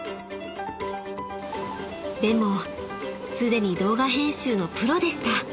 ［でもすでに動画編集のプロでした］